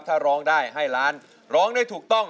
ท่าร้องได้ให้๑๐๐๐๐๐บาท